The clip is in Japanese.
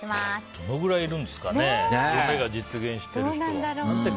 どのくらいいるんですかね夢が実現している人は。